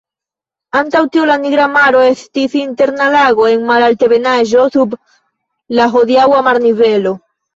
Antaŭ tio la Nigra Maro estis interna lago en malaltebenaĵo, sub la hodiaŭa marnivelo.